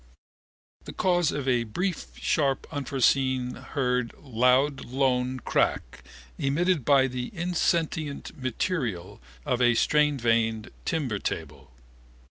The cause of a brief sharp unforeseen heard loud lone crack emitted by the insentient material of a strainveined timber table.